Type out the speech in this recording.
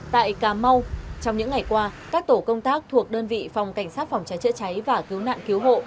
tại cà mau trong những ngày qua các tổ công tác thuộc đơn vị phòng cảnh sát phòng cháy chữa cháy và cứu nạn cứu hộ